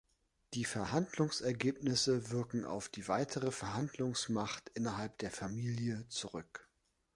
Die Verhandlungsergebnisse wirken auf die weitere Verhandlungsmacht innerhalb der Familie zurück.